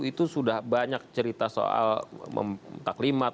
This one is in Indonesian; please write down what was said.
itu sudah banyak cerita soal taklimat